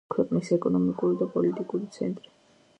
ქვეყნის ეკონომიკური და პოლიტიკური ცენტრი.